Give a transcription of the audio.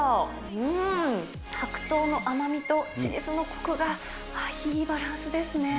うーん、白桃の甘みとチーズのこくがいいバランスですね。